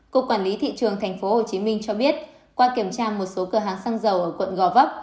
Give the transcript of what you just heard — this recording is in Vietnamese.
cục quản lý thị trường tp hcm cho biết qua kiểm tra một số cửa hàng xăng dầu ở quận gò vấp